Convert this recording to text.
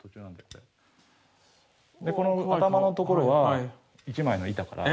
この頭のところは一枚の板から。